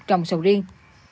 trồng sầu riêng